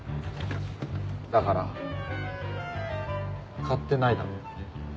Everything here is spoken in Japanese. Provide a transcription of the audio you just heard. だから買ってないだろ？